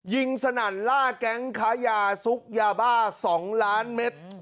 สนั่นล่าแก๊งค้ายาซุกยาบ้า๒ล้านเมตร